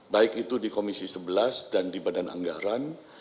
baik itu di komisi sebelas dan di badan anggaran